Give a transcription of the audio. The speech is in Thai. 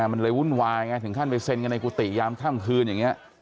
มันเลยวุ่นวายไงถึงขั้นไปเซ็นกันในกุฏิยามค่ำคืนอย่างนี้